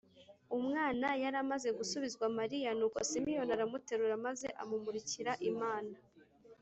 . Umwana yari amaze gusubizwa Mariya, nuko Simiyoni aramuterura maze amumurikira Imana